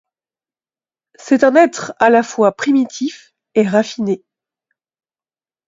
C'est un être à la fois primitif et raffiné.